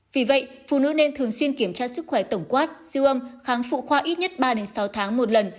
vì vậy phụ nữ nên thường xuyên kiểm tra sức khỏe tổng quát siêu âm kháng phụ khoa ít nhất ba sáu tháng một lần